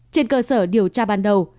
trên cơ sở điều tra ban đầu